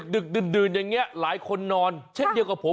ดึกดื่นอย่างนี้หลายคนนอนเช่นเดียวกับผม